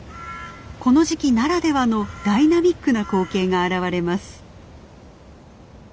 この時期ならではのダイナミックな光景が現れます。